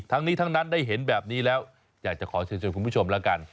ทั้งนี้ทั้งนั้นได้เห็นแบบนี้แล้วอยากจะขอเชิญชวนคุณผู้ชมแล้วกัน